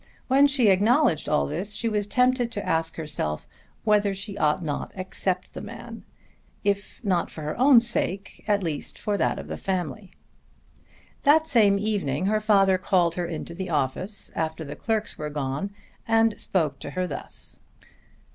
When she acknowledged all this she was tempted to ask herself whether she ought not to accept the man, if not for her own sake at least for that of the family. That same evening her father called her into the office after the clerks were gone and spoke to her thus.